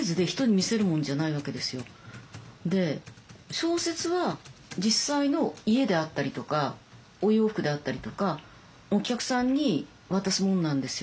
小説は実際の家であったりとかお洋服であったりとかお客さんに渡すものなんですよ。